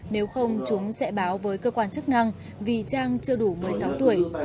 nếu không chúng sẽ báo với cơ quan chức năng vì trang chưa đủ một mươi sáu tuổi